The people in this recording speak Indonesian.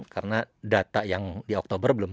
karena data yang di oktober